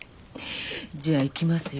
じゃあいきますよ。